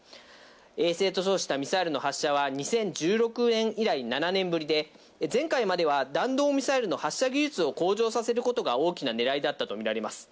衛星と称したミサイルの発射は２０１６年以来７年ぶりで、前回までは弾道ミサイルの発射技術を向上させることが大きな狙いとみられています。